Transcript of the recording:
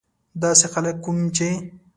داسې خلک کوم چې.